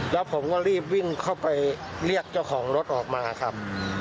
แล้วผมก็รีบวิ่งเข้าไปเรียกเจ้าของรถออกมาครับ